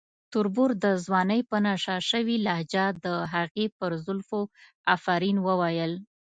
تربور د ځوانۍ په نشه شوې لهجه د هغې پر زلفو افرین وویل.